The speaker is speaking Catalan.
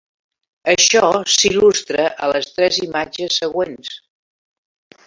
Això s'il·lustra a les tres imatges següents.